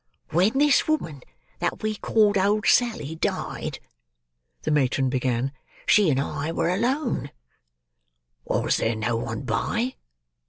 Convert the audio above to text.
"When this woman, that we called old Sally, died," the matron began, "she and I were alone." "Was there no one by?"